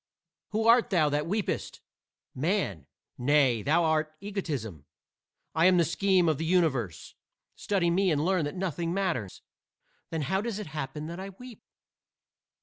"Who art thou that weepest?" "Man." "Nay, thou art Egotism. I am the Scheme of the Universe. Study me and learn that nothing matters." "Then how does it happen that I weep?"